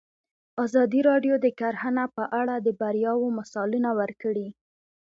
ازادي راډیو د کرهنه په اړه د بریاوو مثالونه ورکړي.